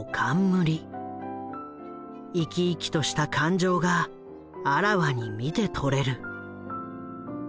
生き生きとした感情があらわに見て取れる。